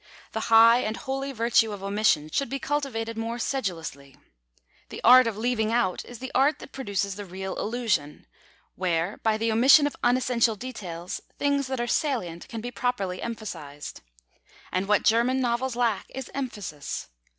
The high and holy virtue of Omission should be cultivated more sedulously. The art of leaving out is the art that produces the real illusion where, by the omission of unessential details, things that are salient can be properly emphasised. And what German novels lack is emphasis.